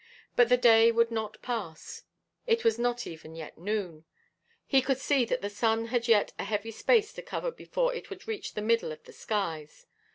But the day would not pass it was not even yet noon he could see that the sun had yet a heavy space to cover before it would reach the middle of the skies.